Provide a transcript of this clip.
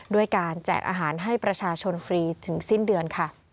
ด้วยการแจกอาหารให้ประชาชนฟรีถึงสิ้นเดือนค่ะ